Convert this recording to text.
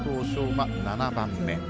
馬７番目。